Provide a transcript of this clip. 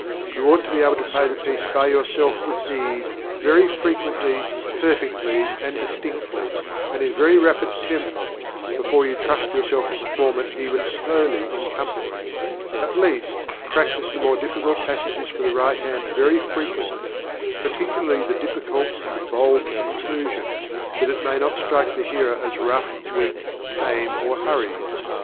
You ought to be able to play the piece by yourself with ease, very frequently, perfectly, and distinctly, and in very rapid tempo, before you trust yourself to perform it even slowly in company. At least, practise the more difficult passages for the right hand very frequently, particularly the difficult and bold conclusion, that it may not strike the hearer as rough, weak, tame, or hurried.